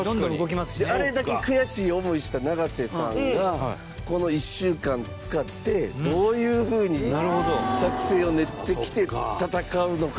あれだけ悔しい思いした永瀬さんがこの１週間使って、どういう風に作戦を練ってきて戦うのか。